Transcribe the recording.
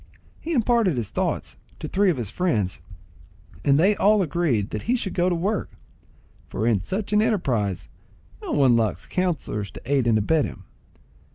He imparted his thoughts to three of his friends, and they all agreed that he should go to work, for in such an enterprise no one lacks counsellors to aid and abet him.